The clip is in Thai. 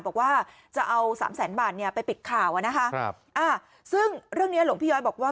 บอกว่าจะเอาสามแสนบาทเนี่ยไปปิดข่าวอ่ะนะคะซึ่งเรื่องนี้หลวงพี่ย้อยบอกว่า